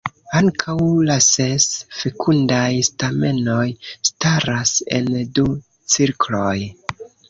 Ankaŭ la ses fekundaj stamenoj staras en du cirkloj.